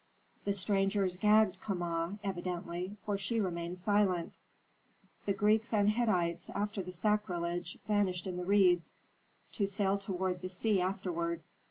The strangers gagged Kama, evidently, for she remained silent. The Greeks and Hittites after the sacrilege vanished in the reeds, to sail toward the sea afterward.